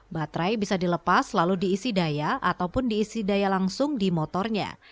baterai bisa dilepas lalu diisi daya ataupun diisi daya langsung di motornya